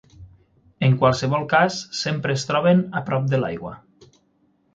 En qualsevol cas sempre es troben a prop de l'aigua.